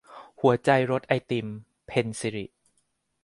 หัวใจรสไอติม - เพ็ญศิริ